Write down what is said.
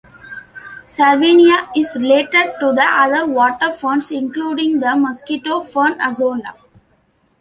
"Salvinia" is related to the other water ferns, including the mosquito fern "Azolla".